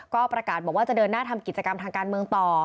ก็ประกาศบอกว่าจะเดินหน้าทำกิจกรรมทางการเมืองต่อ